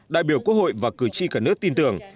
đại biểu quốc hội và cử tri cả nước tin tưởng